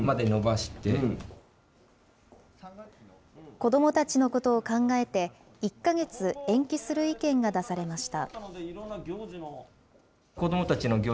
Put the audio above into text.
子どもたちのことを考えて、１か月延期する意見が出されました。